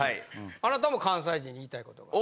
あなたも関西人に言いたいことがある。